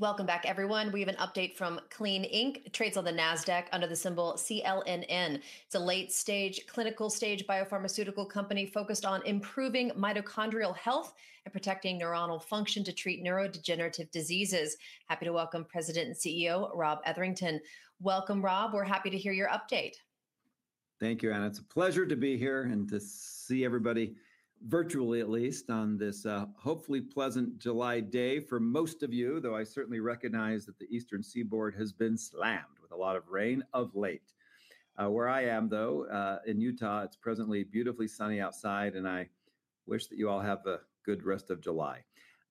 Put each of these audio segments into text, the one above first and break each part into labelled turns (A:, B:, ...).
A: Welcome back, everyone. We have an update from Jaguar Health. It's a late-stage, clinical-stage biopharmaceutical company focused on improving mitochondrial health and protecting neuronal function to treat neurodegenerative diseases. Happy to welcome President and CEO, Lisa Conte. Welcome, Lisa. We're happy to hear your update.
B: Thank you, Anna. It's a pleasure to be here and to see everybody, virtually at least, on this hopefully pleasant July day for most of you, though I certainly recognize that the Eastern Seaboard has been slammed with a lot of rain of late. Where I am, though, in Utah, it's presently beautifully sunny outside, and I wish that you all have a good rest of July.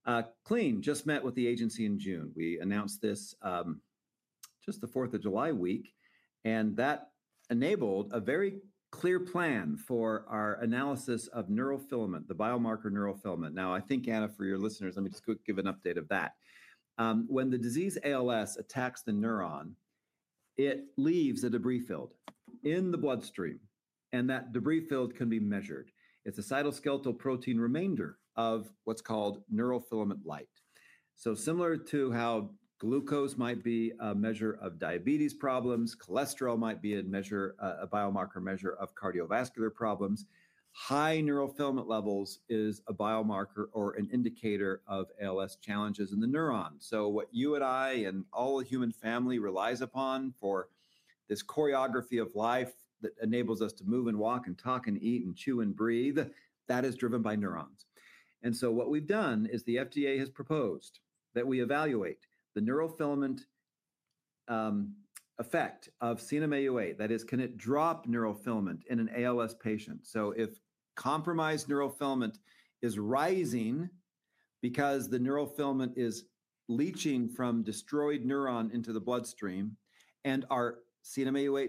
B: Jaguar Health just met with the agency in June. We announced this just the Fourth of July week, and that enabled a very clear plan for our analysis of neurofilament, the biomarker neurofilament. Now, I think, Anna, for your listeners, let me just give an update of that. When the disease ALS attacks the neuron, it leaves a debris field in the bloodstream, and that debris field can be measured. It's a cytoskeletal protein remainder of what's called neurofilament light. Similar to how glucose might be a measure of diabetes problems, cholesterol might be a biomarker measure of cardiovascular problems, high neurofilament levels are a biomarker or an indicator of ALS challenges in the neuron. What you and I and all the human family rely upon for this choreography of life that enables us to move and walk and talk and eat and chew and breathe, that is driven by neurons. The FDA has proposed that we evaluate the neurofilament effect of crofelemer. That is, can it drop neurofilament in an ALS patient? If compromised neurofilament is rising because the neurofilament is leaching from destroyed neurons into the bloodstream, and our crofelemer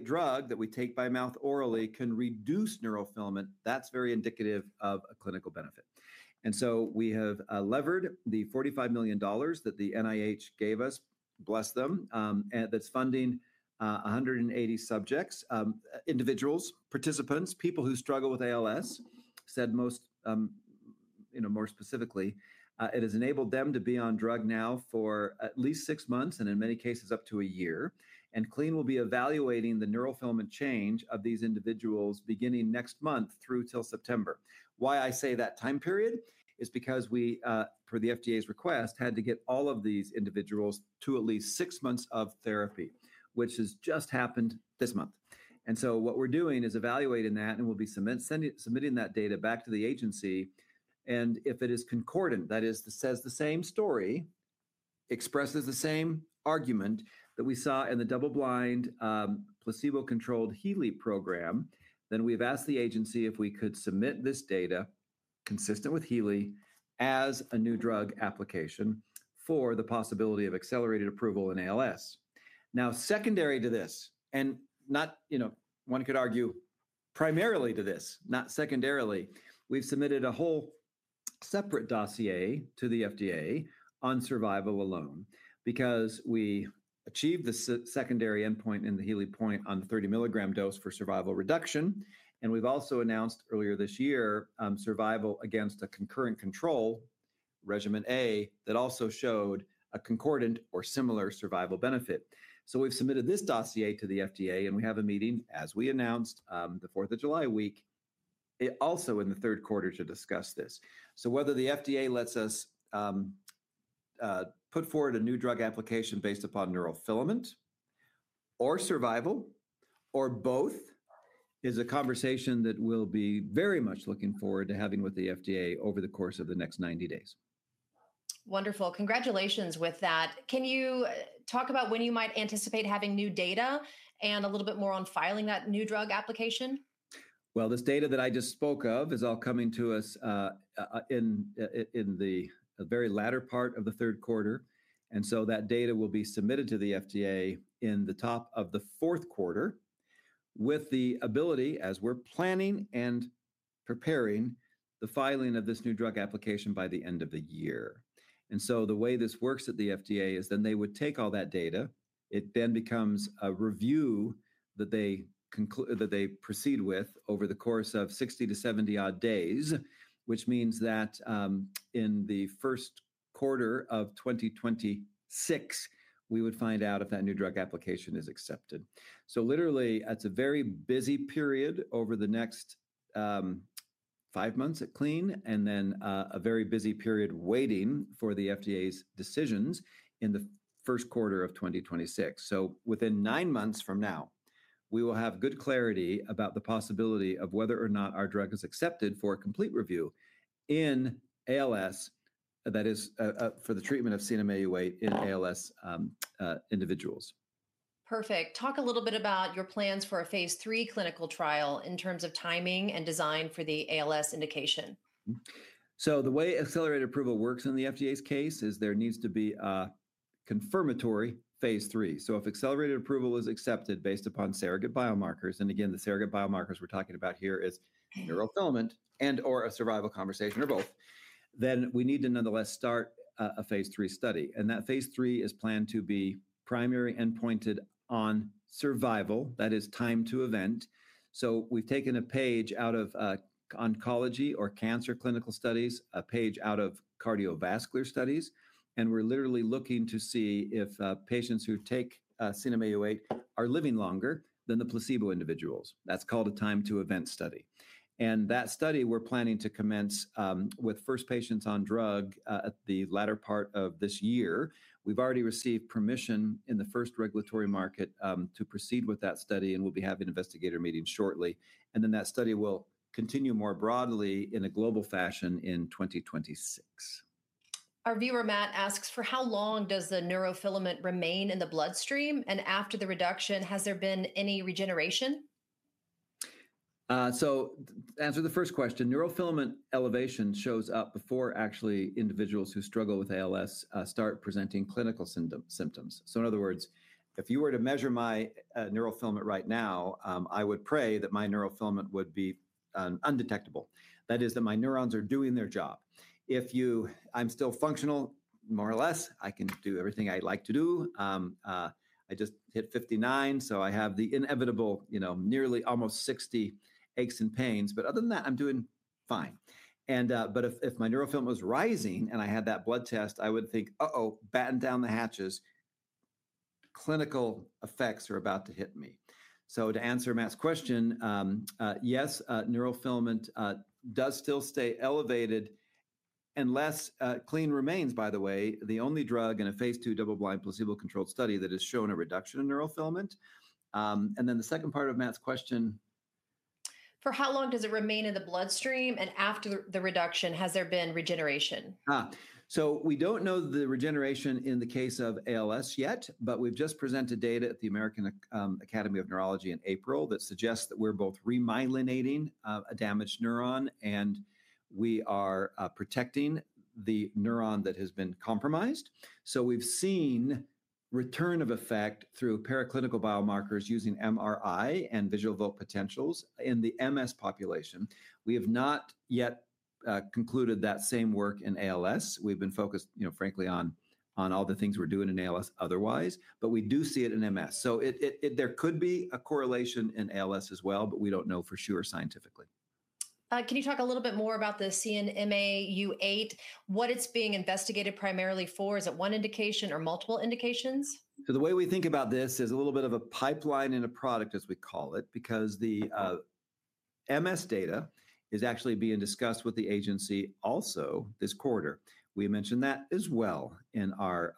B: drug that we take by mouth orally can reduce neurofilament, that's very indicative of a clinical benefit. We have levered the $45 million that the NIH gave us, bless them, that's funding 180 subjects, individuals, participants, people who struggle with ALS, said most, you know, more specifically. It has enabled them to be on drug now for at least six months, and in many cases up to a year. Jaguar Health will be evaluating the neurofilament change of these individuals beginning next month through till September. I say that time period because we, per the FDA's request, had to get all of these individuals to at least six months of therapy, which has just happened this month. We are evaluating that, and we'll be submitting that data back to the agency. If it is concordant, that is, says the same story, expresses the same argument that we saw in the double-blind, placebo-controlled HEALEY program, then we've asked the agency if we could submit this data consistent with HEALEY as a new drug application for the possibility of accelerated approval in ALS. Secondary to this, and not, you know, one could argue primarily to this, not secondarily, we've submitted a whole separate dossier to the FDA on survival alone because we achieved the secondary endpoint in the HEALEY point on the 30 mg dose for survival reduction. We've also announced earlier this year survival against a concurrent control, regimen A, that also showed a concordant or similar survival benefit. We've submitted this dossier to the FDA, and we have a meeting, as we announced, the Fourth of July week, also in the third quarter to discuss this. Whether the FDA lets us put forward a new drug application based upon neurofilament or survival or both is a conversation that we'll be very much looking forward to having with the FDA over the course of the next 90 days.
A: Wonderful. Congratulations with that. Can you talk about when you might anticipate having new data, and a little bit more on filing that new drug application?
B: This data that I just spoke of is all coming to us in the very latter part of the third quarter. That data will be submitted to the FDA in the top of the fourth quarter with the ability, as we're planning and preparing, the filing of this new drug application by the end of the year. The way this works at the FDA is they would take all that data. It then becomes a review that they proceed with over the course of 60-70 odd days, which means that in the first quarter of 2026, we would find out if that new drug application is accepted. It is a very busy period over the next five months at Jaguar Health and then a very busy period waiting for the FDA's decisions in the first quarter of 2026. Within nine months from now, we will have good clarity about the possibility of whether or not our drug is accepted for a complete review in amyotrophic lateral sclerosis, that is, for the treatment of crofelemer in amyotrophic lateral sclerosis individuals.
A: Perfect. Talk a little bit about your plans for a phase III clinical trial in terms of timing and design for the ALS indication.
B: The way accelerated approval works in the U.S. Food and Drug Administration's case is there needs to be a confirmatory phase III trial. If accelerated approval is accepted based upon surrogate biomarkers, and again, the surrogate biomarkers we're talking about here are neurofilament and/or a survival conversation or both, we need to nonetheless start a phase III study. That phase III is planned to be primary endpointed on survival, that is, time to event. We've taken a page out of oncology or cancer clinical studies, a page out of cardiovascular studies, and we're literally looking to see if patients who take [crofelemer] are living longer than the placebo individuals. That's called a time-to-event study. That study we're planning to commence with first patients on drug at the latter part of this year. We've already received permission in the first regulatory market to proceed with that study, and we'll be having an investigator meeting shortly. That study will continue more broadly in a global fashion in 2026.
A: Our viewer, Matt, asks for how long does the neurofilament remain in the bloodstream, and after the reduction, has there been any regeneration?
B: To answer the first question, neurofilament elevation shows up before individuals who struggle with ALS start presenting clinical symptoms. In other words, if you were to measure my neurofilament right now, I would pray that my neurofilament would be undetectable. That is, that my neurons are doing their job. If I'm still functional, more or less, I can do everything I'd like to do. I just hit 59, so I have the inevitable, you know, nearly almost 60 aches and pains. Other than that, I'm doing fine. If my neurofilament was rising and I had that blood test, I would think, uh-oh, batten down the hatches. Clinical effects are about to hit me. To answer Matt's question, yes, neurofilament does still stay elevated unless Jaguar Health remains, by the way, the only drug in a phase II double-blind, placebo-controlled study that has shown a reduction in neurofilament. The second part of Matt's question?
A: For how long does it remain in the bloodstream? After the reduction, has there been regeneration?
B: We don't know the regeneration in the case of ALS yet, but we've just presented data at the American Academy of Neurology in April that suggests that we're both remyelinating a damaged neuron and we are protecting the neuron that has been compromised. We've seen return of effect through paraclinical biomarkers using MRI and visual evoked potentials in the MS population. We have not yet concluded that same work in ALS. We've been focused, frankly, on all the things we're doing in ALS otherwise, but we do see it in MS. There could be a correlation in ALS as well, but we don't know for sure scientifically.
A: Can you talk a little bit more about the [crofelemer], what it's being investigated primarily for? Is it one indication or multiple indications?
B: The way we think about this is a little bit of a pipeline in a product, as we call it, because the MS data is actually being discussed with the agency also this quarter. We mentioned that as well in our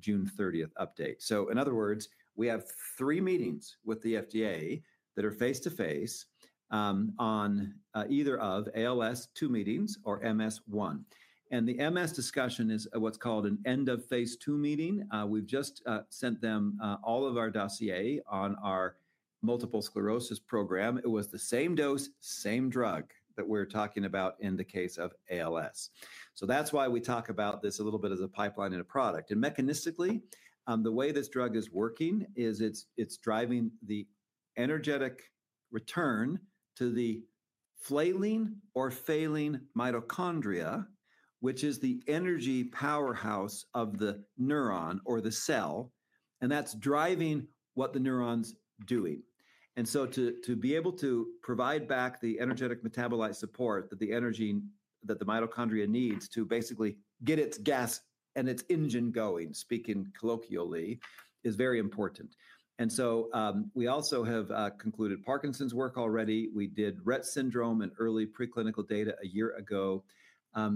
B: June 30, 2023 update. In other words, we have three meetings with the FDA that are face-to-face on either of ALS, two meetings, or MS, one. The MS discussion is what's called an end of phase II meeting. We've just sent them all of our dossier on our multiple sclerosis program. It was the same dose, same drug that we're talking about in the case of ALS. That's why we talk about this a little bit as a pipeline in a product. Mechanistically, the way this drug is working is it's driving the energetic return to the flailing or failing mitochondria, which is the energy powerhouse of the neuron or the cell, and that's driving what the neuron's doing. To be able to provide back the energetic metabolite support that the mitochondria needs to basically get its gas and its engine going, speaking colloquially, is very important. We also have concluded Parkinson's work already. We did Rett syndrome and early preclinical data a year ago.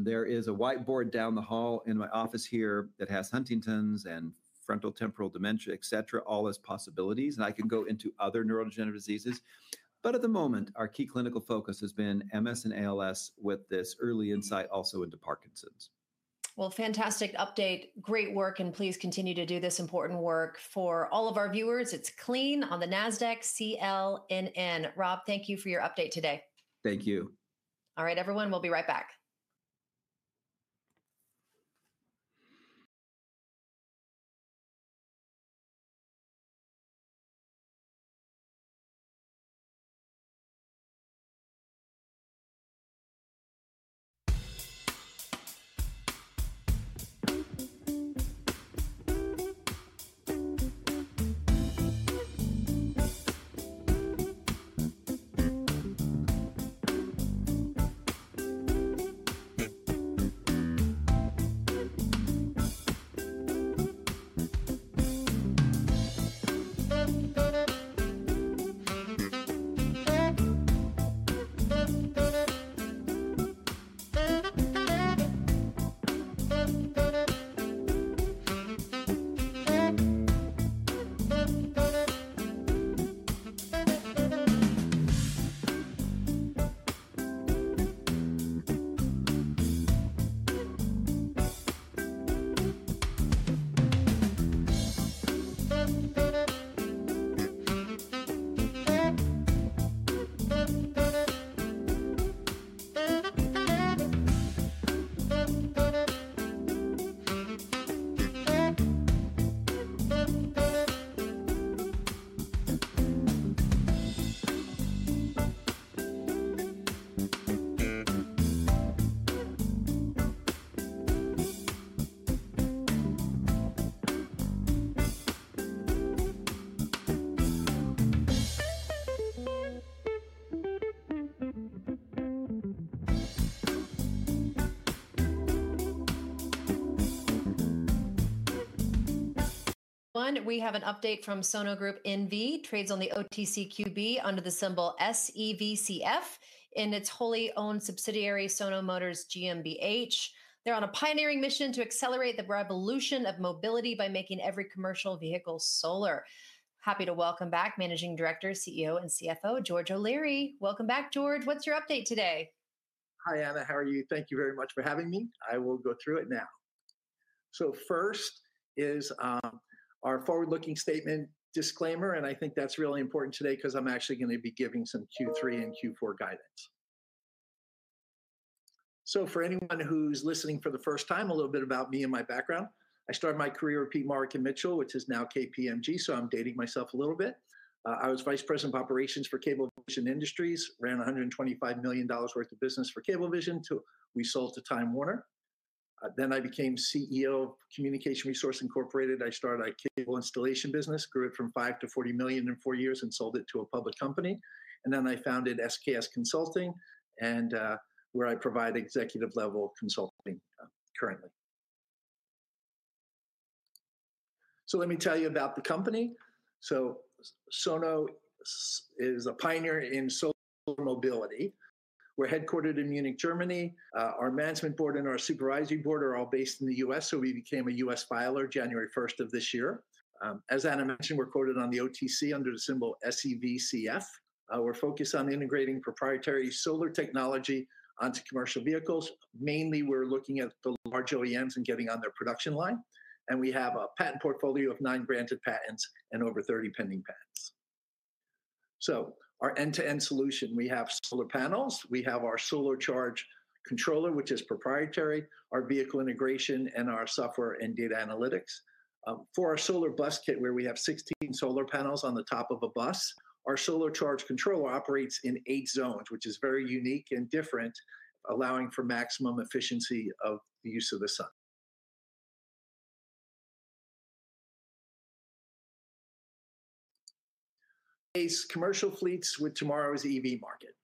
B: There is a whiteboard down the hall in my office here that has Huntington's and frontotemporal dementia, et cetera, all as possibilities. I can go into other neurodegenerative diseases. At the moment, our key clinical focus has been MS and ALS with this early insight also into Parkinson's.
A: Fantastic update. Great work. Please continue to do this important work. For all of our viewers, it's Jaguar Health on the NASDAQ JAGX. Rob, thank you for your update today.
B: Thank you.
A: All right, everyone. We'll be right back. We have an update from Sono Group NV. It trades on the OTCQB under the symbol SEVCF in its wholly owned subsidiary Sono Motors GmbH. They're on a pioneering mission to accelerate the revolution of mobility by making every commercial vehicle solar. Happy to welcome back Managing Director, CEO, and CFO, George O'Leary. Welcome back, George. What's your update today?
C: Hi, Anna. How are you? Thank you very much for having me. I will go through it now. First is our forward-looking statement disclaimer, and I think that's really important today because I'm actually going to be giving some Q3 and Q4 guidance. For anyone who's listening for the first time, a little bit about me and my background. I started my career at Peat, Marwick, Mitchell, which is now KPMG, so I'm dating myself a little bit. I was Vice President of Operations for Cablevision Industries, ran $125 million worth of business for Cablevision. We sold to Time Warner. I became CEO of Communications Resource Incorporated. I started a cable installation business, grew it from $5 million to $40 million in four years, and sold it to a public company. I founded SKS Consulting, where I provide executive-level consulting currently. Let me tell you about the company. Jaguar Health is a pioneer in gastrointestinal health. We're headquartered in the United States. Our management board and our supervising board are all based in the U.S., so we became a U.S. filer January 1, 2023. As Anna mentioned, we're quoted on NASDAQ under the symbol JAGX. We're focused on developing and commercializing novel, plant-based prescription medicines for people and animals with GI distress, including our lead product, Mytesi. Mainly, we're looking at large pharmaceutical partners and expanding our reach. We have a patent portfolio of nine granted patents and over 30 pending patents. Our end-to-end solution includes proprietary plant-based medicines, our clinical research, our regulatory expertise, and our commercial infrastructure. For our lead product, Mytesi, which is approved for the symptomatic relief of noninfectious diarrhea in adults with HIV/AIDS on antiretroviral therapy, our proprietary formulation is unique and different, allowing for maximum efficacy and safety. Our commercial focus is on tomorrow's GI market.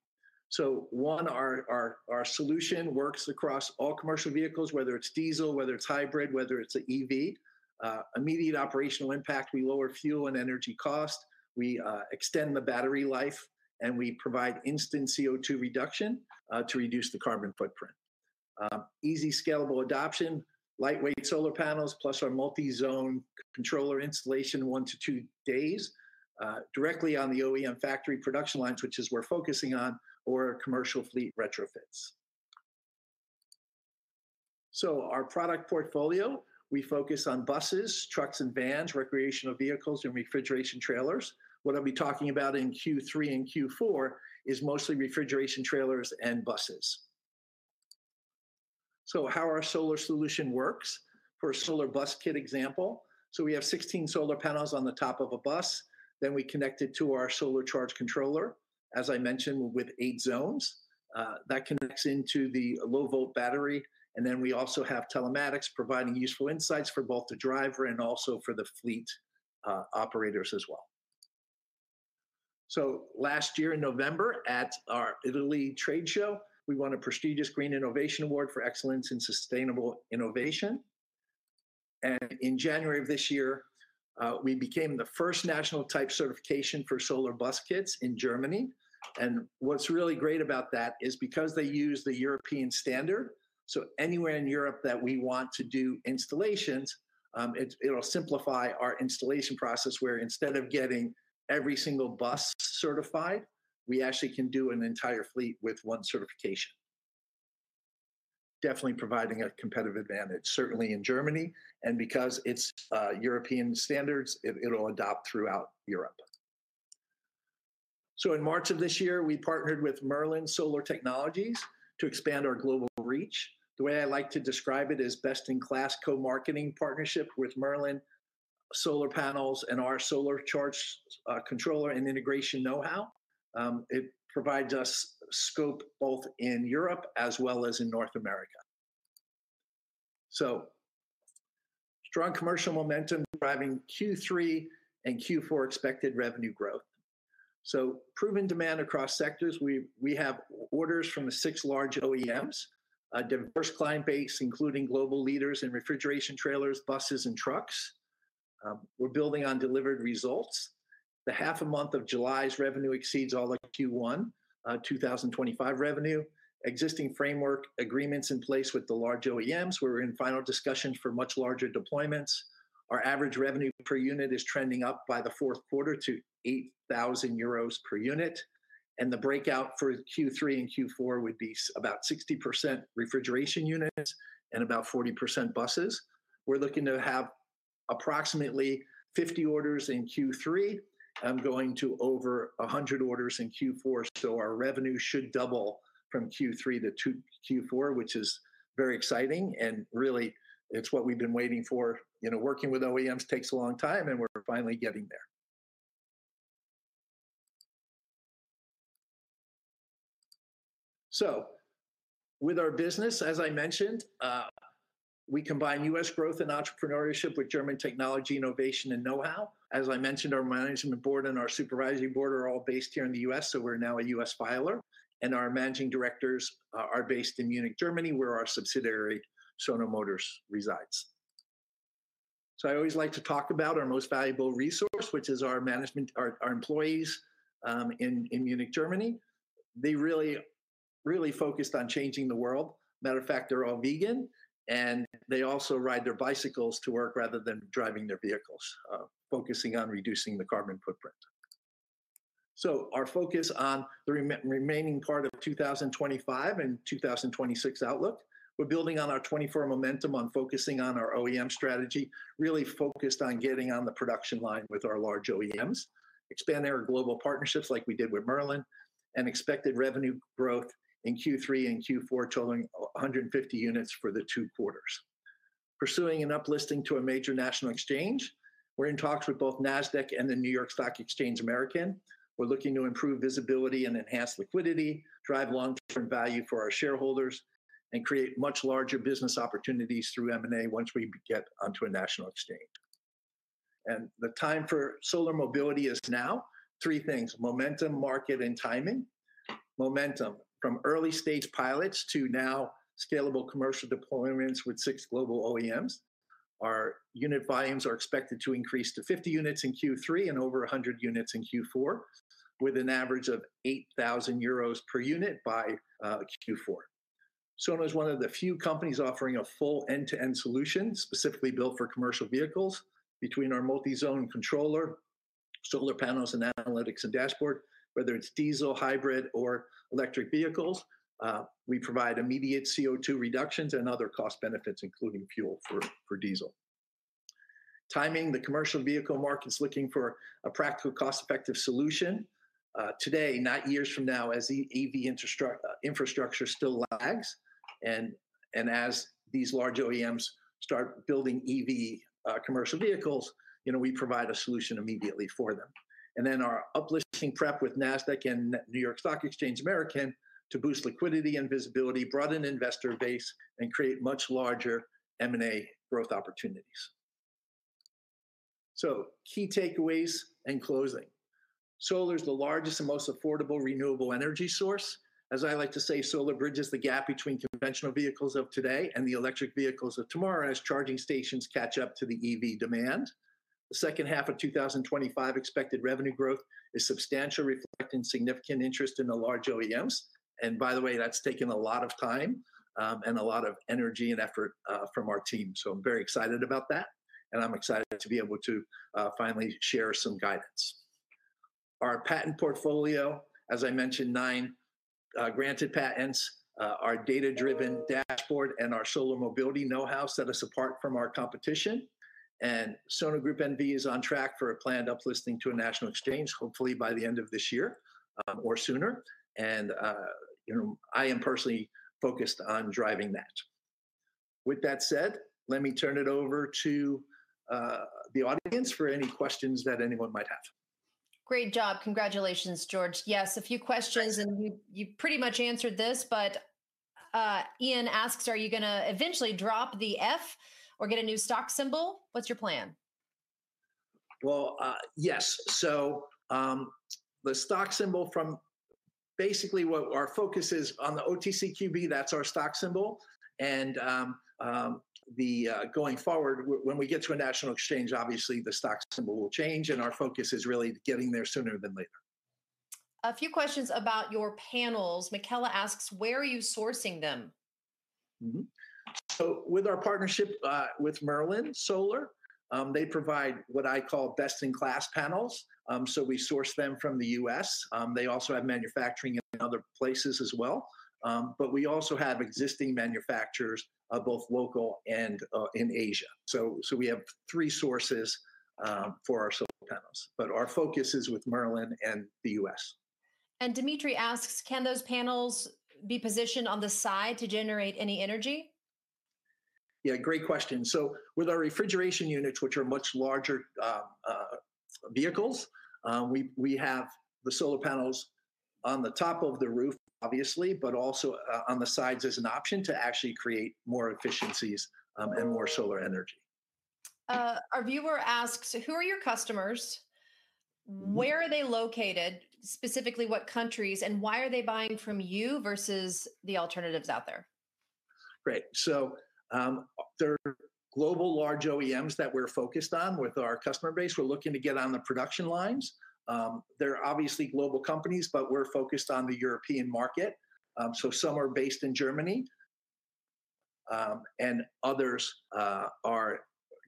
C: Our solution works across multiple patient populations, whether it's HIV, cancer therapy-related diarrhea, or rare diseases. Immediate operational impact, we lower healthcare costs, improve patient quality of life, and provide instant symptom relief to reduce the burden of GI distress. Easy scalable adoption, oral plant-based medicines, plus our established distribution network, allow for rapid expansion directly through specialty pharmacies or hospital systems, which is where we're focusing, or through global partnerships. Our product portfolio focuses on Mytesi, crofelemer, GELCLAIR, and other pipeline products for gastrointestinal health. What I'll be talking about in Q3 and Q4 is mostly refrigeration trailers and buses. Here is how our solar solution works for a solar bus kit example. We have 16 solar panels on the top of a bus. We connect it to our solar charge controller, as I mentioned, with eight zones. That connects into the low-volt battery. We also have telematics providing useful insights for both the driver and for the fleet operators as well. Last year in November at our Italy trade show, we won a prestigious Green Innovation Award for excellence in sustainable innovation. In January of this year, we became the first national type certification for solar bus kits in Germany. What's really great about that is because they use the European standard, anywhere in Europe that we want to do installations, it'll simplify our installation process. Instead of getting every single bus certified, we actually can do an entire fleet with one certification. This definitely provides a competitive advantage, certainly in Germany. Because it's European standards, it'll adopt throughout Europe. In March of this year, we partnered with Merlin Solar Technologies to expand our global reach. The way I like to describe it is best-in-class co-marketing partnership with Merlin Solar Panels and our solar charge controller and integration know-how. It provides us scope both in Europe as well as in North America. Strong commercial momentum is driving Q3 and Q4 expected revenue growth. Proven demand across sectors. We have orders from the six large OEMs, a diverse client base, including global leaders in refrigeration trailers, buses, and trucks. We're building on delivered results. The half a month of July's revenue exceeds all of Q1 2025 revenue. Existing framework agreements are in place with the large OEMs where we're in final discussions for much larger deployments. Our average revenue per unit is trending up by the fourth quarter to €8,000 per unit. The breakout for Q3 and Q4 would be about 60% refrigeration units and about 40% buses. We're looking to have approximately 50 orders in Q3 going to over 100 orders in Q4. Our revenue should double from Q3-Q4, which is very exciting. It's what we've been waiting for. Working with OEMs takes a long time, and we're finally getting there. With our business, as I mentioned, we combine U.S. growth and entrepreneurship with German technology, innovation, and know-how. As I mentioned, our management board and our supervising board are all based here in the U.S. We're now a U.S. filer, and our Managing Directors are based in Munich, Germany, where our subsidiary Sono Motors resides. I always like to talk about our most valuable resource, which is our management, our employees in Munich, Germany. They're really, really focused on changing the world. Matter of fact, they're all vegan, and they also ride their bicycles to work rather than driving their vehicles, focusing on reducing the carbon footprint. Our focus on the remaining part of 2025 and 2026 outlook, we're building on our 24-hour momentum on focusing on our OEM strategy, really focused on getting on the production line with our large OEMs, expanding our global partnerships like we did with Merlin, and expected revenue growth in Q3 and Q4 totaling 150 units for the two quarters. Pursuing an uplisting to a major national exchange, we're in talks with both NASDAQ and the New York Stock Exchange American. We're looking to improve visibility and enhance liquidity, drive long-term value for our shareholders, and create much larger business opportunities through M&A once we get onto a national exchange. The time for solar mobility is now. Three things: momentum, market, and timing. Momentum from early-stage pilots to now scalable commercial deployments with six global OEMs. Our unit volumes are expected to increase to 50 units in Q3 and over 100 units in Q4, with an average of €8,000 per unit by Q4. Sono is one of the few companies offering a full end-to-end solution specifically built for commercial vehicles between our multi-zone controller, solar panels, and analytics and dashboard. Whether it's diesel, hybrid, or electric vehicles, we provide immediate CO2 reductions and other cost benefits, including fuel for diesel. Timing, the commercial vehicle market's looking for a practical cost-effective solution today, not years from now, as the EV infrastructure still lags. As these large OEMs start building EV commercial vehicles, you know, we provide a solution immediately for them. Our uplifting prep with NASDAQ and New York Stock Exchange American to boost liquidity and visibility, broaden investor base, and create much larger M&A growth opportunities. Key takeaways and closing. Solar is the largest and most affordable renewable energy source. As I like to say, solar bridges the gap between conventional vehicles of today and the electric vehicles of tomorrow as charging stations catch up to the EV demand. The second half of 2025 expected revenue growth is substantial, reflecting significant interest in the large OEMs. By the way, that's taken a lot of time and a lot of energy and effort from our team. I'm very excited about that. I'm excited to be able to finally share some guidance. Our patent portfolio, as I mentioned, nine granted patents, our data-driven dashboard, and our solar mobility know-how set us apart from our competition. Sono Group NV is on track for a planned uplifting to a national exchange, hopefully by the end of this year or sooner. I am personally focused on driving that. With that said, let me turn it over to the audience for any questions that anyone might have.
A: Great job. Congratulations, George. Yes, a few questions, and you pretty much answered this, but Ian asks, are you going to eventually drop the F or get a new stock symbol? What's your plan?
C: The stock symbol from basically what our focus is on the OTCQB, that's our stock symbol. Going forward, when we get to a national exchange, obviously the stock symbol will change, and our focus is really getting there sooner than later.
A: A few questions about your panels. Michela asks, where are you sourcing them?
C: With our partnership with Merlin Solar Technologies, they provide what I call best-in-class panels. We source them from the U.S. They also have manufacturing in other places as well. We also have existing manufacturers both local and in Asia. We have three sources for our panels. Our focus is with Merlin Solar Technologies and the U.S.
A: Dimitri asks, can those panels be positioned on the side to generate any energy?
C: Great question. With our refrigeration units, which are much larger vehicles, we have the solar panels on the top of the roof, obviously, but also on the sides as an option to actually create more efficiencies and more solar energy.
A: Our viewer asks, who are your customers? Where are they located? Specifically, what countries? Why are they buying from you versus the alternatives out there?
C: Right. There are global large OEMs that we're focused on with our customer base. We're looking to get on the production lines. They're obviously global companies, but we're focused on the European market. Some are based in Germany, and others are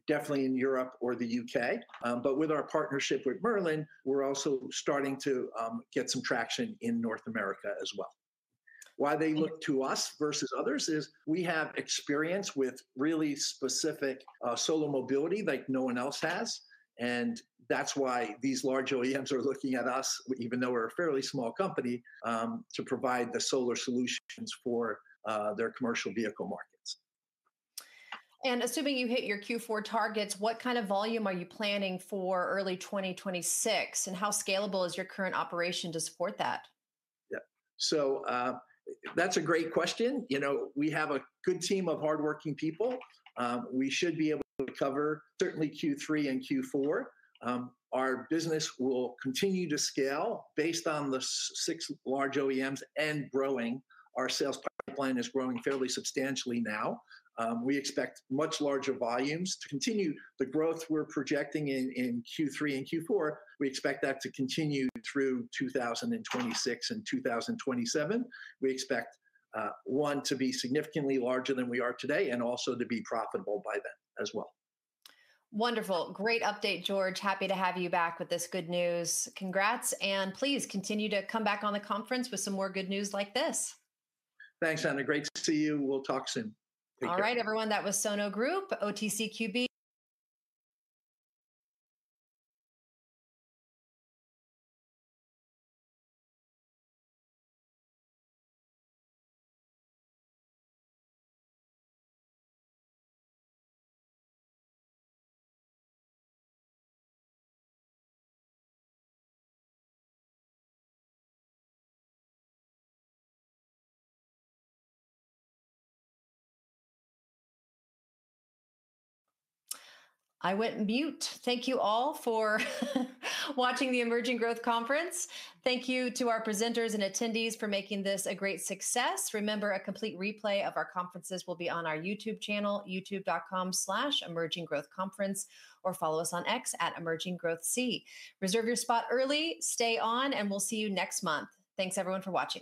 C: definitely in Europe or the U.K. With our partnership with Merlin Solar Technologies, we're also starting to get some traction in North America as well. Why they look to us versus others is we have experience with really specific solar mobility like no one else has. That's why these large OEMs are looking at us, even though we're a fairly small company, to provide the solar solutions for their commercial vehicle markets.
A: Assuming you hit your Q4 targets, what kind of volume are you planning for early 2026? How scalable is your current operation to support that?
C: That's a great question. We have a good team of hardworking people. We should be able to cover certainly Q3 and Q4. Our business will continue to scale based on the six large OEMs and growing. Our sales line is growing fairly substantially now. We expect much larger volumes to continue the growth we're projecting in Q3 and Q4. We expect that to continue through 2026 and 2027. We expect one to be significantly larger than we are today and also to be profitable by then as well.
A: Wonderful. Great update, George. Happy to have you back with this good news. Congrats, and please continue to come back on the conference with some more good news like this.
C: Thanks, Anna. Great to see you. We'll talk soon.
A: All right, everyone. That was Jaguar Health. I went mute. Thank you all for watching the Emerging Growth Conference. Thank you to our presenters and attendees for making this a great success. Remember, a complete replay of our conferences will be on our YouTube channel, youtube.com/emerginggrowthconference, or follow us on X at Emerging Growth C. Reserve your spot early. Stay on, and we'll see you next month. Thanks, everyone, for watching.